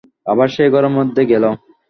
আবার সে ঘরের মধ্যে গেল।